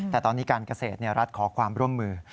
แต่ตอนนี้การเกษตรรัฐขอความร่วมมือ